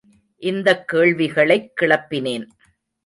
இந்தக் கேள்விகளைக் கிளப்பினேன்.